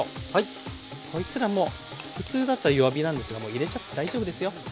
こいつらも普通だと弱火なんですがもう入れちゃって大丈夫ですよ。